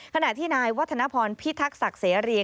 ขณะที่นายวัฒนพรพิทักษ์ศักดิ์เสียเรีย